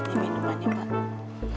ini minumannya pak